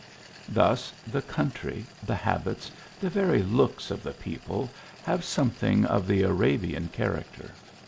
Thus, the country, the habits, the very looks of the people, have something of the Arabian character.